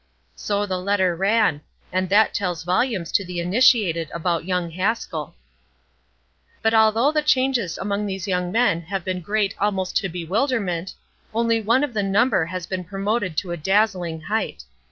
So the letter ran; and that tells volumes to the initiated about young Haskell. But although the changes among these young men have been great almost to bewilderment, only one of the number has been promoted to a dazzling height.